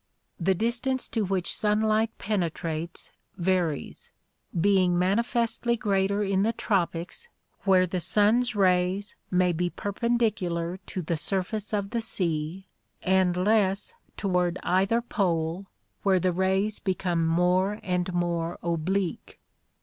The distance to which sunlight penetrates varies, being manifestly greater in the tropics where the sun's rays may be perpendicular to the surface of the sea, and less toward either pole where the rays become more BATHYMETRIC DISTRIBUTION 73 and more oblique.